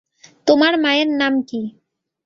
তোমার মায়ের নাম কী?